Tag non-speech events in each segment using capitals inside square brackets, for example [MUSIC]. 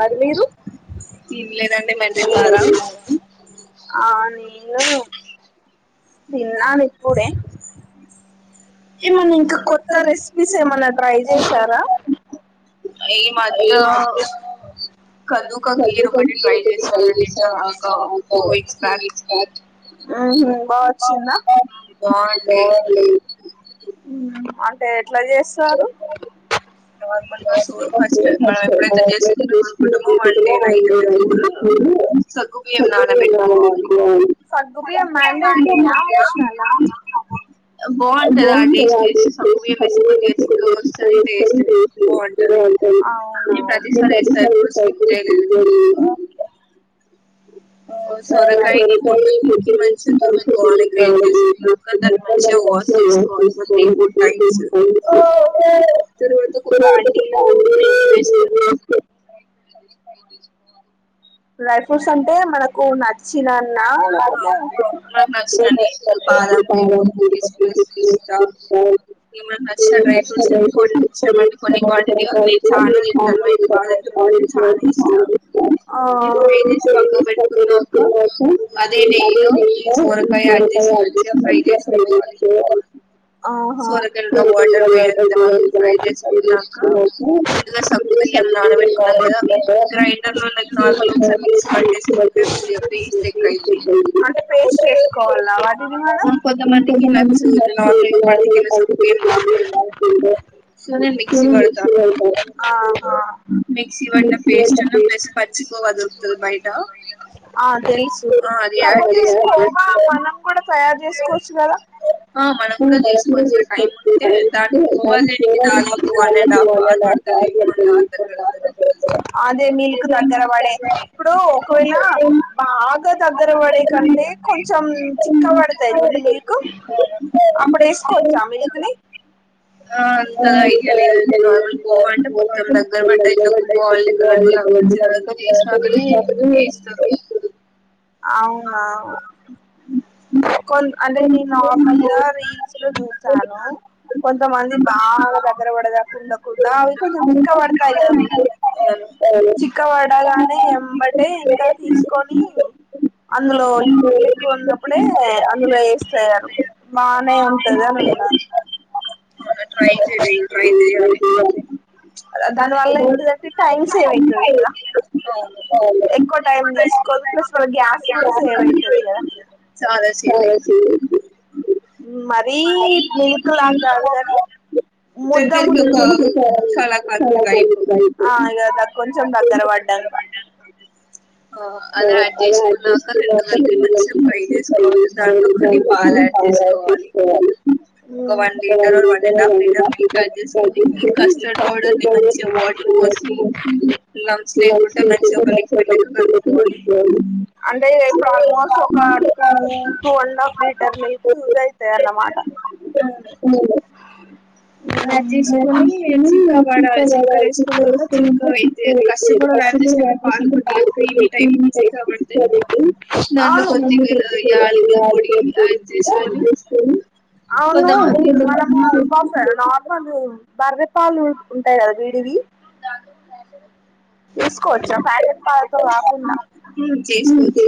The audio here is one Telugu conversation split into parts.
మరి మీరు ఆ నేను తిన్నాను ఇప్పుడే ఏమన్నా ఇంకా కొత్త రెసిపీస్ ఏమైన్నా ట్రై చేశారా ఈ మధ్య కదు ప వది కా విసవరణ అ [UNINTELLIGIBLE] ఉహ్ బాగ వచ్చిందా అంటే ఎట్లా చేస్తారు అ నార్మల్ గా సొ ఫస్ట్ మనం ఎప్పుడైతే చేసుకుంటాం అనుకుంటామో వన్ డే నైట్ బిఫోర్ సగ్గుబియ్యం నానబెట్టుకోవాలి బాగుంటది ఆ టేస్ట్ టేస్ట్ సగ్గు బియ్యం ఏస్తే కొద్దిగ చిక్కగ వస్తది టేస్ట్ బాగుంటది అవునా [UNINTELLIGIBLE] బ [UNINTELLIGIBLE] సొరకాయని పుడుతునికి మంచిగా తురుముకోవాలి గ్రేవ్ చేసుకున్నాక దాన్ని మంచిగా ఒక త్రీ ఫోర్ టైమ్స్ తరువాత ఒక బాండీలొ నెయ్యి వేసుకుని డ్రై ఫ్రూట్స్ అంటే మనకు నట్స్ చి [UNINTELLIGIBLE] నన్నా ఆ [UNINTELLIGIBLE] ఏమన్న నచ్చిన డ్రై ఫ్రూట్స్ కొంచమంటె కొన్ని క్వాంటిటీగా మీరు చాలా తింటరు మీ ఇంట్లో బాగ తింటరు అంటే చాలా ఇష్టం ఫ్రై చేసి పక్కకి పెట్టుకున్నాక అదే నెయ్యిలో ఈ సోరకాయ యాడ్ చేసి మంచిగా ఫ్రై చేసుకోవాలి ఆ సొరకలో వాటర్ పోయేంత వరకు ఫ్రై చేసుకున్నాక ముందుగా సగ్ బియ్యం నాన్ పెట్టుకున్నా గదా గ్రైండర్ లో నాకు నార్మల్ ఒకసారి మిక్సీ బట్టేసుకుంటే కొద్ది చెక్ అయింది కొంతమందికి నచ్చదు నార్ పంటికింద సగ్గుబియ్యం రాసుకుంటే ముందు మిక్సీ పట్టాలె ఆహా మిక్సీ పట్ట ఆ సరి కాకపోతే కోబా మన్నం కూడా తయారు చేసుకోవచ్చు గదా ఉ అలా కూడ చేసుకోవచ్చు [UNINTELLIGIBLE] అదే మీల్ దగ్గర వాడే ఇప్పుడు ఒకవేళ బాగ్ దగ్గర పడే కంటే కొంచెం చిక్క పడతాయి మీకు అప్పుడేస్ కొంచం ఏంటవి ఆ ఇక్కడ ఇక లేదండి మా వాళ్ళు [UNINTELLIGIBLE] ఇలా ఎటికో పోయచ్చారని ఏట్స్ అవునా అ అంటే నేను నార్మల్గా రీల్స్ లో చూశాను కొంతమంది బాగా అగ్ర వడద కుండకు అవి కొము వాడతా అవును చిక్క వడగానే ఎంబటే ఇంక తీసుకొని అ అందులో ఇకి ఉన్నప్పుడే అందులో వేస్తయ బానే ఉంటద మ మొన్న ట్రై చేయలేదు ట్రై చేయాలి అవును ఎక్కువ టైం తీసుకోదు ప్లస్ లో గ్యాస్ కూడా సేవ్ అయితదిగా మరీ మిల్క్ లో అంత కాదు కాని [INAUDIBLE] కొంచెం దగ్గర పడ్డంక అది యాడ్ చేసుకున్నాక రెండు కలిపి మంచిగా ఫ్రై చేసుకోవాలి. దాంట్లో కొన్ని పాలు యాడ్ చేసుకోవాలి. పోవాలి ఉ ఫ్రై చేసుకోని కాఫీ పౌడర్ పోసి లమ్స్ లేకుండా మంచి ఒక లిక్విడ్ లేక కలుపుకోవాలి. అంటే ఇప్పుడు ఆల్మోస్ట్ ఒక టు అండ్ హాఫ్ లీటర్ మీ అవుతున్నమాట్ అట ఊను [INAUDIBLE] వైతే అ కష్టమర్ యాడ్ చేసినంక పాలు కొద్దిగ క్రీమి టైప్ చిక్కబడితే నన్ను కొద్దిగాల యాలకుల పొడి యాడ్ చేసుకొని కొదమంది ఫుడ్ కల్ బర్రె పాలు ఉంటాయి కదా వీడివి వేసుకోవచ్చా ప్యాకెట్ పాలతో రాకున్నా కే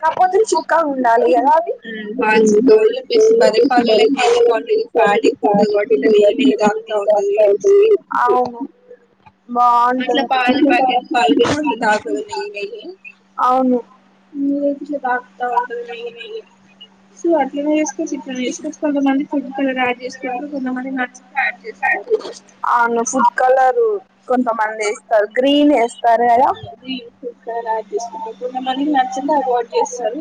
కాకపోతే చిక్కగ ఉండాలి అనేది బర్రె పాలలో కి [UNINTELLIGIBLE] వచ్చినాం అవు అట్లా పాల ప్యాకట్ పాలకేమో తాగదు నెయ్యి మీరైతే ఇట్లు తాకుతా ఉంటది నెయ్యి నెయ్యి సో అట్లన్న ఏసుకోచ్ ఇట్లా వేసుకోచ్చ కొంతమంది ఫుడ్ కలర్ యాడ్ చేసుకుంటరు. కొంతమంది నట్స్ యాడ్ చేస్తరు. అవును ఫుడ్ కలరు కొంతమంది ఎస్తారు గ్రీన్ ఎస్తారు కదా కొంతమందికి నచ్చక అవాయిడ్ చేస్తారు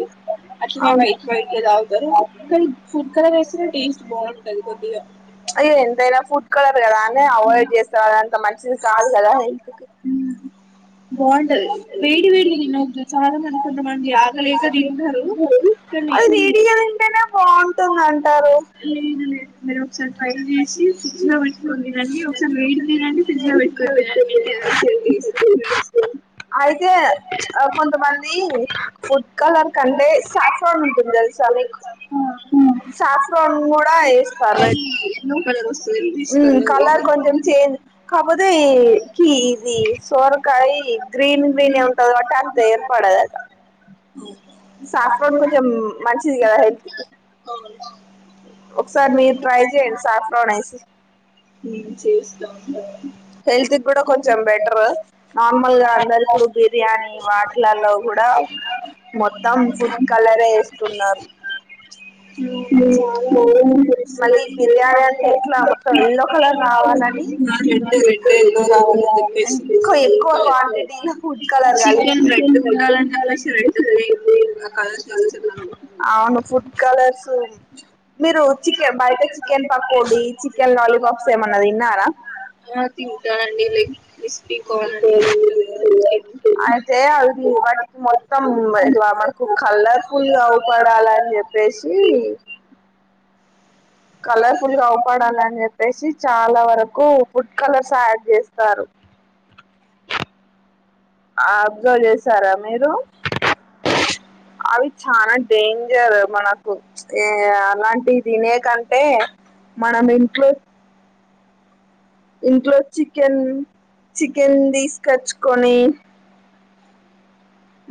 అట్లనే వైట్ వైట్గా దరు ఇక్కడి ఫుడ్ కలర్ వేస్తేనే టేస్ట్ బాగుంటది కొద్దిగా అయ్యో ఎంతైనా ఫుడ్ కలర్ కదా అని అవాయిడ్ చేస్తావా అది అంత మంచిది కాదు గదా హెల్త్ కు బాగుంటది వేడి వేడిగా తినవద్దు చాలా మంది కొంతమంది ఆగలేక తింటారు అది వేడీగా తింటేనే బాగుంటుంది అంటారు మీరు ఒకసారి ట్రై చేసి ఫ్రిడ్జ్ లో పెట్టుకోని తినండి ఒకసారి వేడి తినండి ఫ్రిడ్జ్ లో పెట్టు సరే మీకు ఏమన్నా సెట్ జేయ్ సప్రింగ్స్ అయితే కొంతమంది ఫుడ్ కలర్ కంటే సఫ్రాన్ ఉంటది తెలుసు సఫ్రాన్ కూడా ఇస్తారు రే ఉమ్ కలర్ కొంచెం చెంజ్ కాపోతే ఈ కి ఇది సోరకాయ గ్రీన్ గ్రీన్ ఏ ఉంటది కాబట్టి అంత ఏర్పడది అట సఫ్రాన్ కొంచెం మంచిది గదా హెల్త్ కి ఒకసారి మీరు ట్రై చేయండి సఫ్రాన్ ఐసీ నేను చేస్తాను హెల్త్ కూడా కొంచెం బెటర్ నార్మల్ గా అందరు బిర్యానీ వాటిళ్లలో కూడా అయిషు మొత్తం ఫుడ్ కలరే వేస్తున్నారు ఉ చాల కట్ చేస్తున్న బిర్యాని ఇట్ల ఆ రెడ్ రెడ్ ఎల్లో రావాలని చెప్పేసి [UNINTELLIGIBLE] చికెన్ రెడ్ ఉండాలని చెప్పేసి రెడ్ గ్రీన్ ఆ కలర్స్ ఏసి చె అవును ఫుడ్ కలర్స్ మీరు చికెన్ బయట చికెన్ పకోడి చికెన్ లాలీపాప్స్ ఏమన్నా తిన్నారా లి లెగ్ పీస్ అయితే అది వాటికి మొత్తం ఉమ్మాయ్ మనకు కలర్ ఫుల్ గా అవు పడాలి అని చెప్పేసి కలర్ ఫుల్ గా అవు పడాలి అని చెప్పేసి చాలా వరకు ఫుడ్ కలర్స్ యాడ్ చేస్తారు ఆ అబ్జవ్ చేసారా మీరు అవి చాలా డేంజర్ మనకు ఏ అలాంటి తినే కంటే మనం ఇంట్లో ఇంట్లో చికెన్ చికెన్ తీసుకచ్చుకొని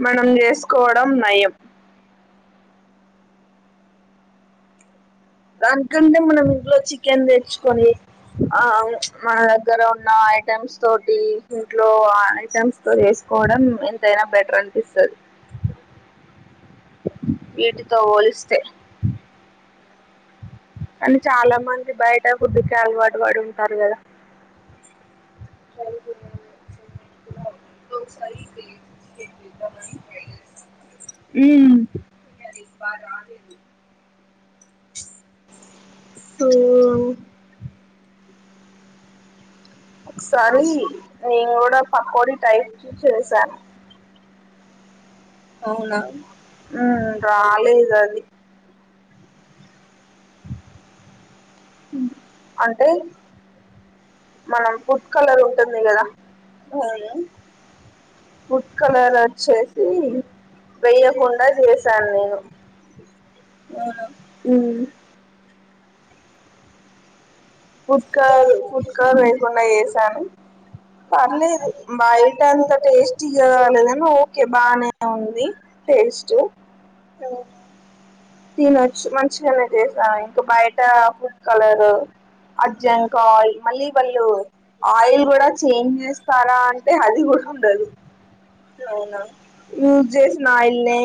మనం చేసుకోవడం నయం దానికంటే మనం ఇంట్లో చికెన్ తెచ్చుకొని ఆ ఉ మన దగ్గర ఉన్న వాట్ ఐటమ్స్ తోటి ఇంట్లో ఐటమ్స్ తో చేసుకోవడం ఎంతైనా బెటర్ అనిపిస్తది వీటితో ఓలిస్తే కానీ చాలా మంది బయట ఫుడ్ కే అలవాటు పడి ఉంటారు కదా సరే నీకు కూడా [UNINTELLIGIBLE] ఒకసారి డేట్ చేపిదాం అని డైట్ ఉ ఒ ఒ సరీ నేను కూడా పకోడి టైప్ చూచిరా సార్ అవునా మ్ రాలేదు అది [INAUDIBLE] ఉ అంటే మనం ఫుడ్ కలర్ ఉంటుంది గదా అవునా ఫుడ్ కలర్ వచ్చేసి వేయకుండా చేశాను నేను హ్మ్ ఫుడ్ కాలర్ ఫుడ్ కాలర్ వేయకుండా చేసాను పర్లేదు బయట అంతా టేస్టీగా లేదని ఓకే బానే ఉంది టేస్ట్ తినోచ్చు మంచిగానే చేసాను ఇంకా బయట ఫుడ్ కలరు అర్జెంకా ఆయిల్ మళ్ళీ వాళ్ళు ఆయిల్ గూడా చేంజ్ చేస్తారా అంటే అది గూడా ఉండదు అవునా యూజ్ జేసిన ఆయిల్ నే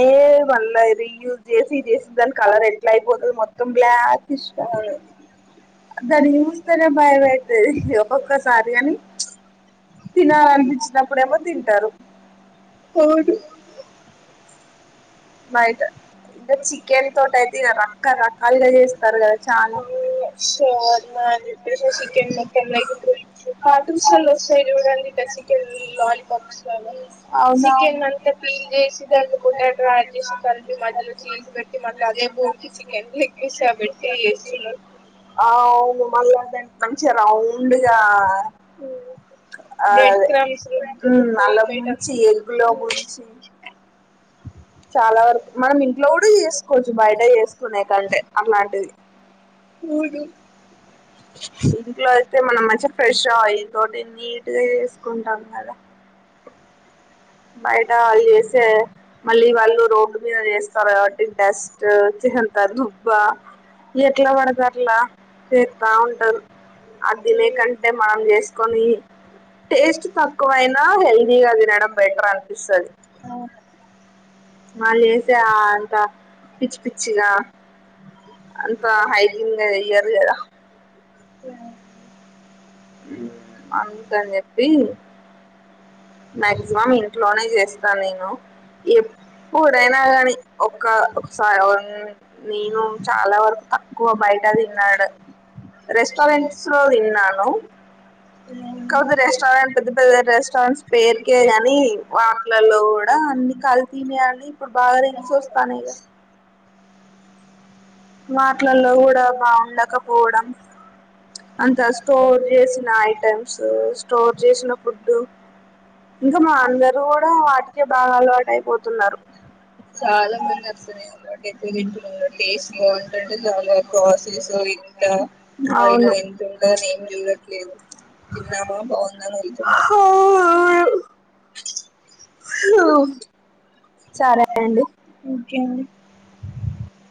మళ్ళ రీ యూజ్ జేసి జేసి దాని కలర్ ఎట్లా అయిపోతది మొత్తం బ్లాక్ ఇష్ గా దాన్ని జూస్తనే భయమైతది ఒక్కొక్కసారి గాని తినాలనిపించినప్పుడేమో తింటరు అవును బైట ఇంకా చికెన్ తోటి అయితే ఇగ రకరకాలుగా జేస్తారు గదా చాలా ష్ ఏం మరి చికెన్ మొత్తం లైక్ ఇప్పుడు కార్టూన్ స్టైల్ లో వస్తయ్ చూడండి చికెన్ లాలి పాప్స్ కానీ చికెన్ అంతా పీల్ జేసి దానికి పొటాటో ఆడ్ జేసి కలిపి మధ్యలో చీజ్ పెట్టి మళ్ళ అదే బోన్కి చికెన్ లెగ్ పీస్ అ పెట్టి చేస్తున్నారు ఆ అవును అ మంచిగా రౌండ్ గా అదే హ్మ్ అల్ల ముంచి ఎగ్ లో ముంచి చాలా వరకు మనం ఇంట్లో కూడా చేసుకోవచ్చు బయట చేసుకునే కంటే అలాంటిది [UNINTELLIGIBLE] ఇంట్లో అయితే మనం మంచిగా ఫ్రెష్ ఆయిల్ తోటి నీట్ గా చేసుకుంటాం గదా బయట వాళ్ళు జేస్తే మళ్ళీ వాళ్ళు రోడ్డు మీద జేస్తరు గాబట్టి డస్ట్ చి దుబ్బా ఎట్లా పడతే అట్లా చేస్తా ఉంటారు ఆ దినే కంటే మనం జేస్తే కొన్ని టేస్ట్ తక్కువైనా హెల్దీగా తినడం బెటర్ అనిపిస్తది వాళ్ళు జేస్తే అంత పిచ్చి పిచ్చిగా అంత హైజీన్ గా జేయరు గదా అందుకని చెప్పి మాక్సిమమ్ ఇంట్లోనే చేస్తాను నేను ఎప్ ఎప్పుడైనా గాని ఒక ఒకసారి నేను చాలా వరకు తక్కువ బయ ఎట్టా తిన్నడో రెస్టారెంట్స్ లో తిన్నాను కొన్ని రెస్టారెంట్ పెద్ద పెద్ద రెస్టారెంట్ పేరుకే గాని వాటిలలో గూడా అన్ని కల్తీనే అని ఇప్పుడు బాగా రీల్స్ వస్తానయి [INAUDIBLE] వాటిలల్లో గూడా బాగుండకపోవడం అంత స్టోర్ చేసిన ఐటమ్స్ స్టోర్ చేసిన ఫుడ్డు అ [INAUDIBLE] ఇంకా మా అందరు గూడా వాటికే బాగా అలవాటు అయిపోతున్నారు చాలా మంది అర్సన అట పోలిన్డ్రు టేస్ట్ బాగుంటంటే చాలా ప్రాసెస్ ఎంత ఆయిల్ ఎంత ఉంటది తినట్లే ము తిన్నమ బాగుందా అడుగుతున్నారు సరే అండి తిం